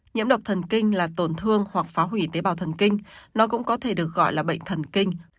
nhiễm độc thần kinh là tổn thương hoặc phá hủy tế bào thần kinh nó cũng có thể được gọi là bệnh thần kinh